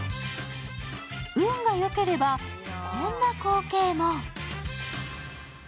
運が良ければこんな光景も。